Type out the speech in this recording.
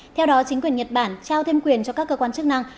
theo đó chính quyền nhật bản trao thêm quyền cho các cơ quan chức năng